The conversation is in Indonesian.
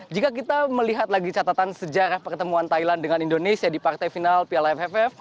jika kita melihat lagi catatan sejarah pertemuan thailand dengan indonesia di partai final piala ff